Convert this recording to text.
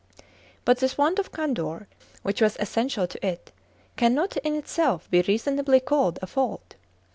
But this want of candour, which was essential to it, cannot in itself be reasonably called a fault.